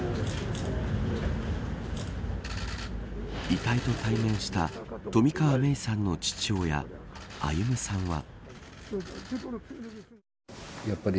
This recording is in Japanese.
遺体と対面した冨川芽生さんの父親、歩さんは。